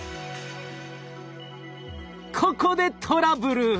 ここでトラブル。